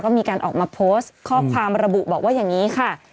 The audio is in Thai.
ก็มีการออกมาโพสต์ข้อความระบุบอกว่าอย่างนี้ค่ะ